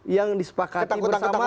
yang disepakati bersama